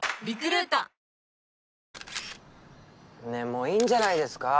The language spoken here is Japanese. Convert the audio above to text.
もういいんじゃないですか？